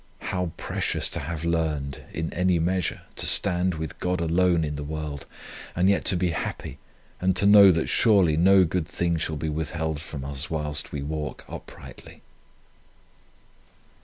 How precious to have learned in any measure to stand with God alone in the world, and yet to be happy, and to know that surely no good thing shall be withheld from us whilst we walk uprightly!"